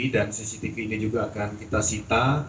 dan cctv ini juga akan kita sita